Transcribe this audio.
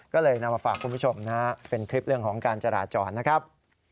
ก็เลยนำมาฝากคุณผู้ชมนะเป็นคลิปเรื่องของการจราจรนะครับ